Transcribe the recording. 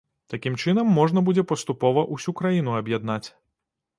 Такім чынам можна будзе паступова ўсю краіну аб'яднаць.